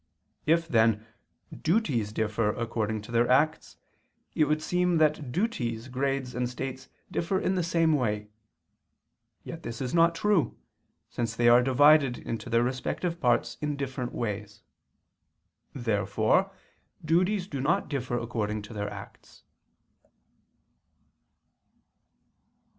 If, then, duties differ according to their acts it would seem that duties, grades, and states differ in the same way. Yet this is not true, since they are divided into their respective parts in different ways. Therefore duties do not differ according to their acts.